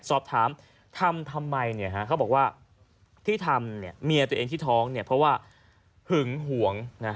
สอบถามทำทำไมเขาบอกว่าที่ทำเมียตัวเองที่ท้องเพราะว่าหึงหวง